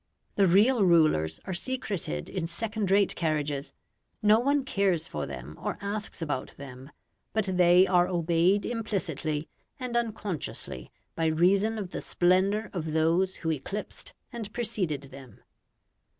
The real rulers are secreted in second rate carriages; no one cares for them or asks about them, but they are obeyed implicitly and unconsciously by reason of the splendour of those who eclipsed and preceded them.